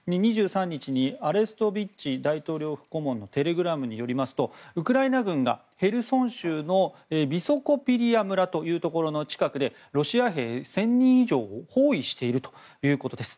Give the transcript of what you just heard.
２３日にアレストビッチ大統領府顧問のテレグラムによりますとウクライナ軍がヘルソン州のビソコピリヤ村というところの近くでロシア兵１０００人以上を包囲しているということです。